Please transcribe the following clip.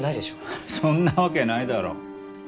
ハッそんなわけないだろう？